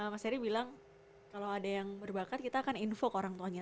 mas heri bilang kalau ada yang berbakat kita akan info ke orang tuanya